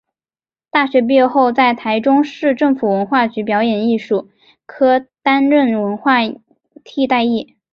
大学毕业后在台中市政府文化局表演艺术科担任文化替代役。